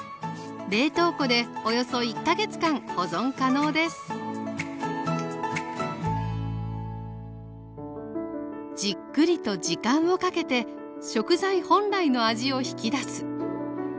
冷凍庫でおよそ１か月間保存可能ですじっくりと時間をかけて食材本来の味を引き出す。